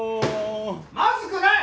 まずくない！